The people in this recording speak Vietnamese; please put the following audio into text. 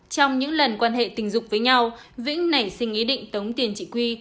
trong những lần quan hệ tình dục với nhau vĩnh nảy sinh ý định tống tiền chị quy